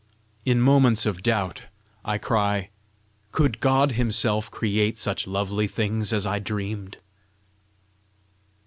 In moments of doubt I cry, "Could God Himself create such lovely things as I dreamed?"